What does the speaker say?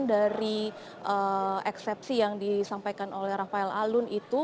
dari eksepsi yang disampaikan oleh rafael alun itu